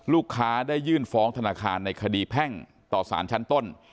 ได้ยื่นฟ้องธนาคารในคดีแพ่งต่อสารชั้นต้น